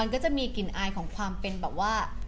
ก็จะมีกลิ่นอายของความเป็นแบบว่า